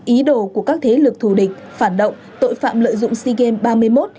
ý đồ của các thế lực thù địch phản động tội phạm lợi dụng sea games ba mươi một